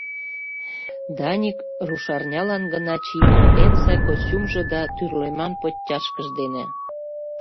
Даник рушарнялан гына чийыме эн сай костюмжо да тӱрлыман подтяжкыж дене.